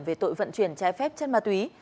về tội vận chuyển trái phép chất ma túy